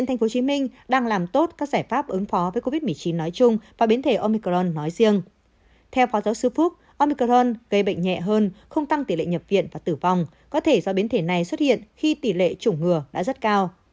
theo phó giáo sư phúc omicron gây bệnh nhẹ hơn không tăng tỷ lệ nhập viện và tử vong có thể do biến thể này xuất hiện khi tỷ lệ chủng ngừa đã rất cao